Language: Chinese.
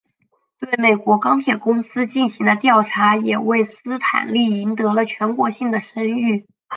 对美国钢铁公司进行的调查也为斯坦利赢得了全国性的声誉。